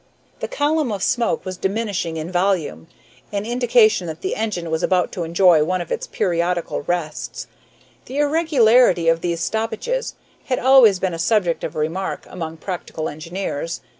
The column of smoke was diminishing in volume, an indication that the engine was about to enjoy one of its periodical rests. The irregularity of these stoppages had always been a subject of remark among practical engineers.